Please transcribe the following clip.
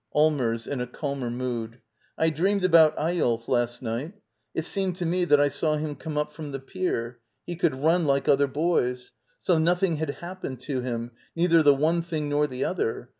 Allmers. [In a calmer mood.] I dreamed about Eyolf last night. It seemed to me that I saw him come up from the pier. He could run like other bo5rs. So nothing had happened to him — neither the one thing nor the other.